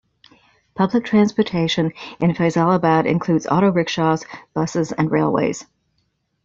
Public transportation in Faisalabad includes auto-rickshaws, buses and railways.